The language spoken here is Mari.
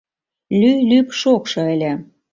Лӱй-лӱп шокшо ыле.